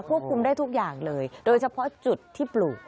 คุมได้ทุกอย่างเลยโดยเฉพาะจุดที่ปลูก